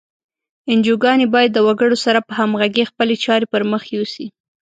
انجوګانې باید د وګړو سره په همغږۍ خپلې چارې پر مخ یوسي.